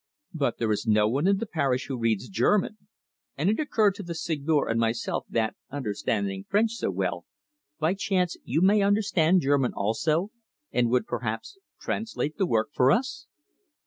But there is no one in the parish who reads German, and it occurred to the Seigneur and myself that, understanding French so well, by chance you may understand German also, and would, perhaps, translate the work for us."